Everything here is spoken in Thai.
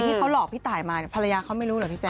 ที่เขาหลอกพี่ตายมาภรรยาเขาไม่รู้เหรอพี่แจ